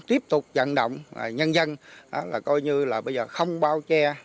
tiếp tục dẫn động nhân dân là coi như là bây giờ không bao che